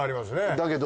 だけど。